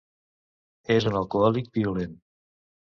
És un alcohòlic violent.